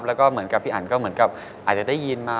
แล้วพี่อ่านก็เหมือนใหญ่แก้ได้ยินมา